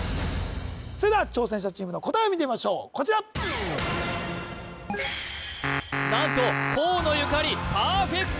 それでは挑戦者チームの答えを見てみましょうこちら何と河野ゆかり